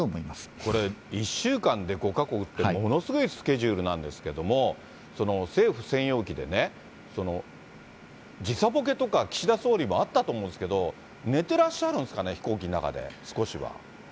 これ、１週間で５か国って、ものすごいスケジュールなんですけれども、政府専用機でね、時差ぼけとか岸田総理はあったと思うんですけれども、寝てらっしゃるんですかね、飛行機の中で、少しは。